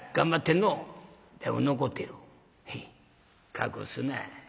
隠すな。